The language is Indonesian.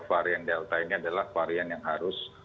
varian delta ini adalah varian yang harus